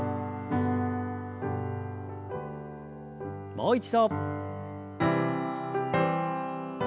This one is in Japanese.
もう一度。